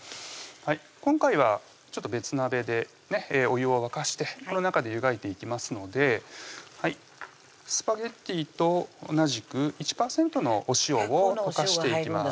今回は別鍋でお湯を沸かしてこの中で湯がいていきますのでスパゲッティと同じく１％のお塩を溶かしていきます